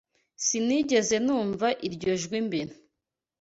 Sinigeze numva iryo jwi mbere.